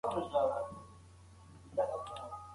ایا ته د انټرنیټ په ګټو باور لرې؟